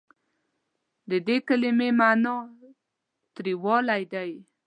د دې کلمې معني تریوالی دی.